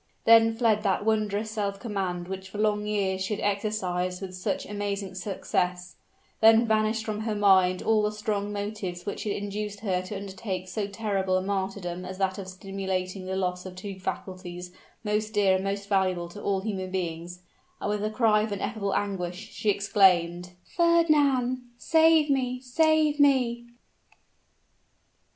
Then fled that wondrous self command which for long years she had exercised with such amazing success: then vanished from her mind all the strong motives which had induced her to undertake so terrible a martyrdom as that of simulating the loss of two faculties most dear and most valuable to all human beings; and with a cry of ineffable anguish, she exclaimed, "_Fernand, save me! save me!